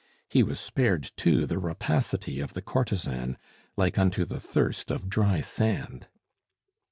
He was spared, too, the rapacity of the courtesan, like unto the thirst of dry sand.